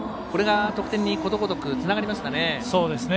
これが得点に、ことごとくつながりましたね。